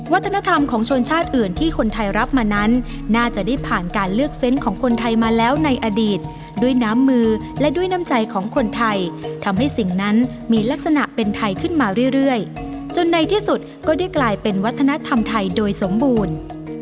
วัฒนธรรมของชนชาติอื่นที่คนไทยรับมานั้นน่าจะได้ผ่านการเลือกเซนต์ของคนไทยมาแล้วในอดีตด้วยน้ำมือและด้วยน้ำใจของคนไทยทำให้สิ่งนั้นมีลักษณะเป็นไทยขึ้นมาเรื่อยจนในที่สุดก็ได้กลายเป็นวัฒนธรรมไทยโดยสมบูรณ์